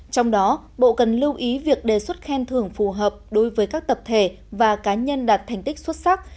trong đó bộ cần lưu ý việc đề xuất khen thưởng phù hợp đối với các tập thể và cá nhân đạt thành tích xuất sắc